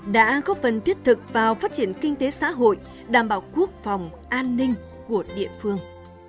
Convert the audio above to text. đã góp phần thiết thực vào phát triển kinh tế xã hội đảm bảo quốc phòng an ninh của địa phương